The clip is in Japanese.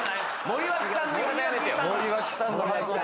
森脇さん